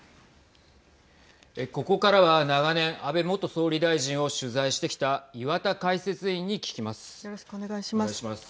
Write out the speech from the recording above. ここからは、長年安倍元総理大臣を取材してきたよろしくお願いします。